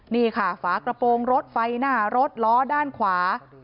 นี่ค่ะฝากระโปรงรถไฟหน้ารถล้อด้านขวา